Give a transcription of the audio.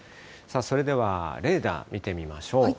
それではレーダー見てみましょう。